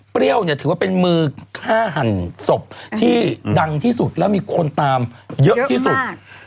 เปรี้ยวเนี่ยถือว่าเป็นมือข้าฮันศพที่ดังที่สุดแล้วมีคนตามเยอะมาก